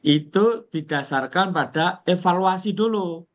itu didasarkan pada evaluasi dulu